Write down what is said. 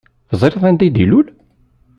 Teẓṛiḍ anda i d-ilul?